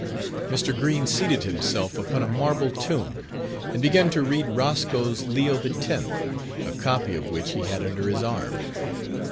Mr. Green seated himself upon a marble tomb, and began to read Roscoe's Leo X., a copy of which he had under his arm.